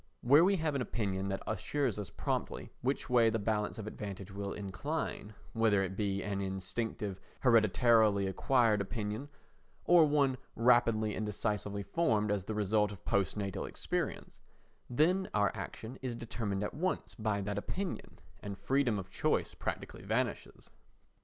Where we have an opinion that assures us promptly which way the balance of advantage will incline—whether it be an instinctive, hereditarily acquired opinion or one rapidly and decisively formed as the result of post natal experience—then our action is determined at once by that opinion, and freedom of choice practically vanishes.